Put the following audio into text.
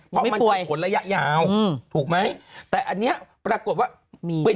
ยังไม่ป่วยเพราะมันเป็นคนระยะยาวอืมถูกไหมแต่อันเนี้ยปรากฏว่ามี